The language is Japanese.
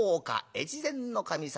越前守様